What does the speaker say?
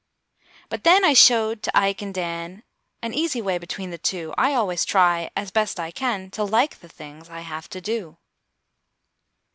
But then I showed to Ike and Dan An easy way between the two: I always try, as best I can, To like the things I have to do.